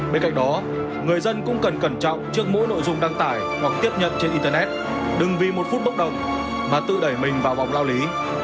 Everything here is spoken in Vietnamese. bên cạnh đó người dân cũng cần cẩn trọng trước mỗi nội dung đăng tải hoặc tiếp nhận trên internet đừng vì một phút bốc động mà tự đẩy mình vào vòng lao lý